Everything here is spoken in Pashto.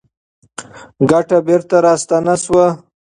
ګټه بېرته راستانه شوه.